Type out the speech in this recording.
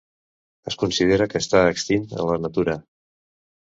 Es considera que està extint a la natura.